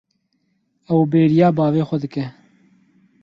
Ew bêriya bavê xwe dike.